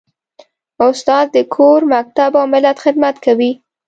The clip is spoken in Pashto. استاد د کور، مکتب او ملت خدمت کوي.